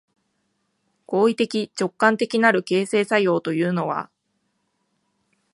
行為的直観的なる形成作用というのは、